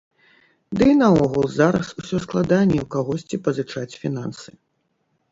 Ды і наогул зараз усё складаней у кагосьці пазычаць фінансы.